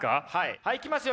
はいいきますよ